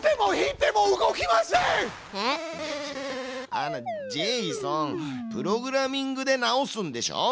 あのジェイソンプログラミングで直すんでしょ？